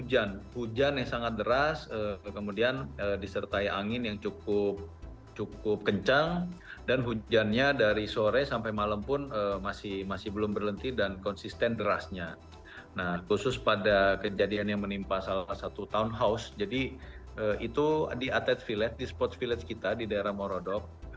jadi itu di atlet village di sports village kita di daerah morodok